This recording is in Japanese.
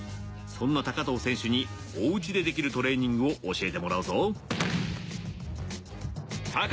そんな藤選手におうちでできるトレーニングを教えてもらうぞ。